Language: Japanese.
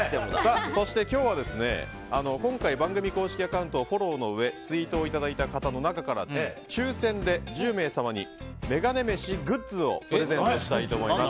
今日は、番組公式アカウントをフォローのうえツイートをいただいた方の中から抽選で１０名様にメガネ飯グッズをプレゼントしたいと思います。